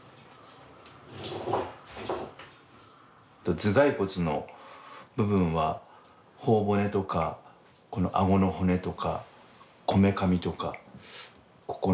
頭蓋骨の部分は頬骨とかこの顎の骨とかこめかみとかここの鼻の鼻